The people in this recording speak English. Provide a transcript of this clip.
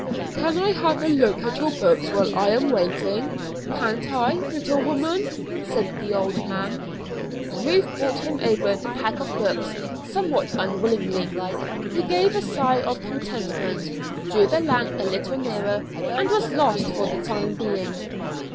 "I can have a look at your books while I am waiting, can't I, little woman?" said the old man. Ruth brought him over the pack of books somewhat unwillingly. He gave a sigh of contentment, drew the lamp a little nearer, and was lost for the time being.